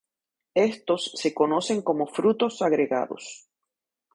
Estos se conocen como frutos agregados.